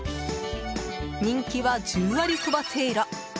人気は十割蕎麦せいろ。